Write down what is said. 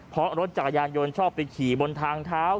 เพราะรถจักรยานยนต์ชอบไปขี่บนทางเท้า